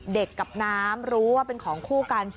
กับน้ำรู้ว่าเป็นของคู่กัน